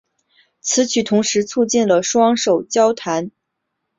此曲同时也促进了双手交替弹奏十六分音符的技术。